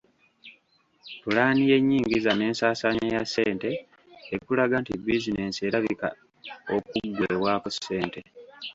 Pulaani y’ennyingiza n’ensaasaanya ya ssente ekulaga nti bizinensi erabika okuggweebwako ssente.